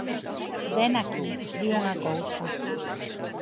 Vén aquí, di unha cousa.